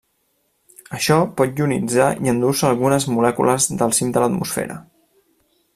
Això pot ionitzar i endur-se algunes molècules del cim de l'atmosfera.